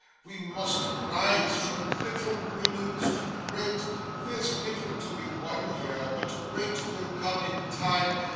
We must rise from little winnings to great. There's little to be won here; but great will come in time.